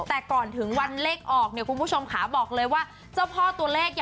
แต่ก่อนถึงวันเลขออกเนี่ยคุณผู้ชมขาบอกเลยว่าเจ้าพ่อตัวเลข